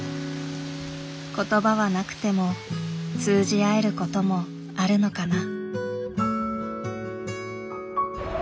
言葉はなくても通じ合えることもあるのかな。